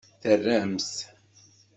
Terramt.